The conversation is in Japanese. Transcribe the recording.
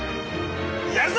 やるぞ！